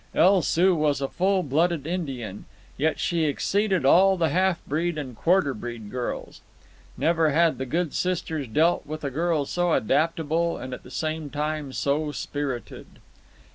El Soo was a full blooded Indian, yet she exceeded all the half breed and quarter breed girls. Never had the good sisters dealt with a girl so adaptable and at the same time so spirited.